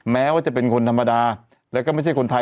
แม้ว่าจะเป็นคนธรรมดาแล้วก็ไม่ใช่คนไทย